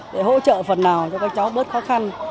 để hỗ trợ phần nào cho các cháu bớt khó khăn